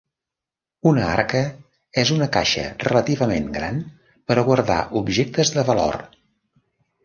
Una arca és una caixa relativament gran per a guardar objectes de valor.